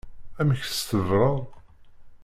Amek tṣebbreḍ?